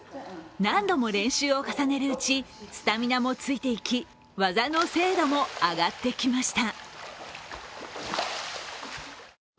何度も練習を重ねるうち、スタミナもついていき、技の精度も上がっていきました。